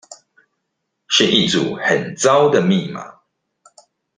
是一組很糟的密碼